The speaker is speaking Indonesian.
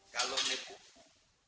kalau ini buku